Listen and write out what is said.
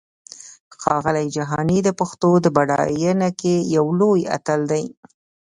ښاغلی جهاني د پښتو په پډاینه کې یو لوی اتل دی!